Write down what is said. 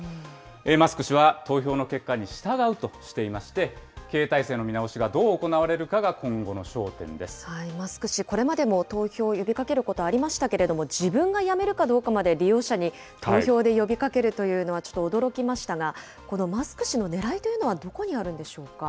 マスク氏は投票の結果に従うとしていまして、経営体制の見直しがマスク氏、これまでも投票を呼びかけることありましたけれども、自分が辞めるかどうかまで利用者に投票で呼びかけるというのは、ちょっと驚きましたが、このマスク氏のねらいというのはどこにあるんでしょうか。